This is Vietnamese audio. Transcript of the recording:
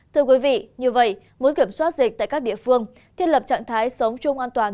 thưa quý vị như vậy muốn kiểm soát dịch tại các địa phương thiết lập trạng thái sống chung an toàn